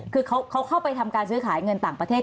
คือเขาเข้าไปทำการซื้อขายเงินต่างประเทศ